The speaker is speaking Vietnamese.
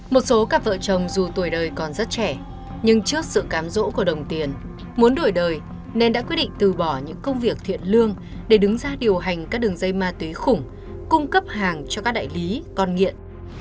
một số cặp vợ chồng dù tuổi đời còn rất trẻ nhưng trước sự cám rỗ của đồng tiền muốn đổi đời nên đã quyết định từ bỏ những công việc thiện lương để đứng ra điều hành các đường dây ma túy khủng cung cấp hàng cho các đại lý con nghiện